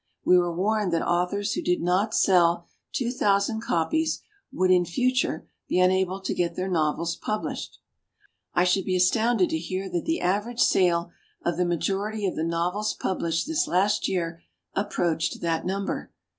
We were warned that authors who did not sell two thousand copies would in future be unable to get their novels pub lished. I should be astounded to hear that the average sale of the majority of the novels published this last year approached that number.